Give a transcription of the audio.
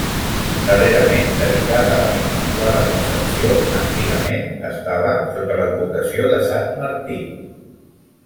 Darrerament dedicada a la Immaculada Concepció, antigament estava sota l'advocació de Sant Martí.